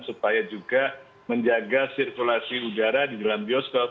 supaya juga menjaga sirkulasi udara di dalam bioskop